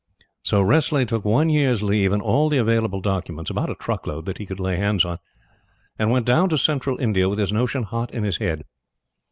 So Wressley took one year's leave and all the available documents, about a truck load, that he could lay hands on, and went down to Central India with his notion hot in his head.